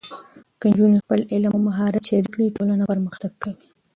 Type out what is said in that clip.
که نجونې خپل علم او مهارت شریک کړي، ټولنه پرمختګ کوي.